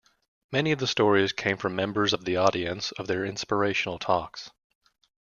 Many of the stories came from members of the audience of their inspirational talks.